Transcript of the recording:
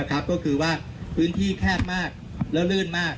ก็คือว่าพื้นที่แคบมากแล้วลื่นมาก